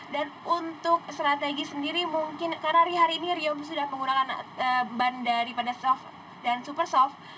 dan untuk strategi sendiri mungkin karena hari ini rio sudah menggunakan ban dari pada soft dan super soft